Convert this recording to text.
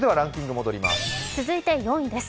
続いては４位です。